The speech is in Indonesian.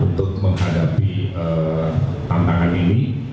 untuk menghadapi tantangan ini